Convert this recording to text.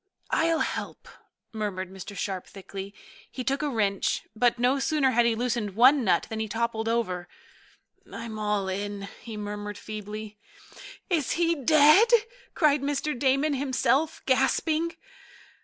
"I'll help," murmured Mr. Sharp thickly. He took a wrench, but no sooner had he loosened one nut than he toppled over. "I'm all in," he murmured feebly. "Is he dead?" cried Mr. Damon, himself gasping.